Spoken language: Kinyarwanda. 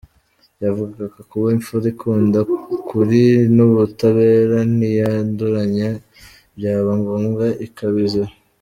Yavugaga kuba imfura ikunda ukuri n’ubutabera ntiyanduranye byaba ngombwa ikabizira.